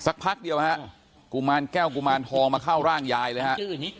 พักเดียวฮะกุมารแก้วกุมารทองมาเข้าร่างยายเลยฮะ